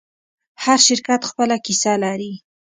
هر شرکت خپله کیسه لري.